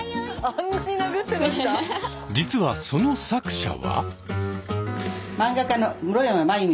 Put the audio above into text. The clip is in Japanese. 実はその作者は。